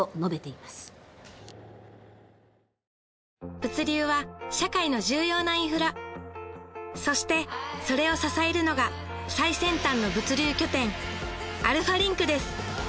物流は社会の重要なインフラそしてそれを支えるのが最先端の物流拠点アルファリンクです